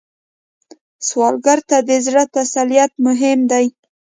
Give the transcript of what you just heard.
سوالګر ته د زړه تسلیت مهم دی